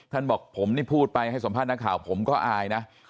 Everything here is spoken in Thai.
บอกผมนี่พูดไปให้สัมภาษณ์นักข่าวผมก็อายนะ